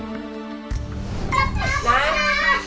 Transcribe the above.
เพื่อให้คุณรู้